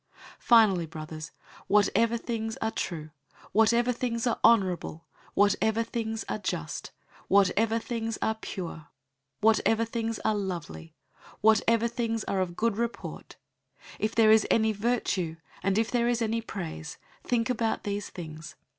004:008 Finally, brothers, whatever things are true, whatever things are honorable, whatever things are just, whatever things are pure, whatever things are lovely, whatever things are of good report; if there is any virtue, and if there is any praise, think about these things.